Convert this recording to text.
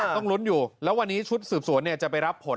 ต้องลุ้นอยู่แล้ววันนี้ชุดสืบสวนจะไปรับผล